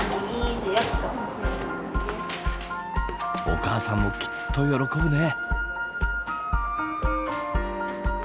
お母さんもきっと喜ぶね。